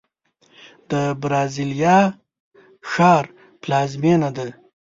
د برازیلیا ښار پلازمینه ده.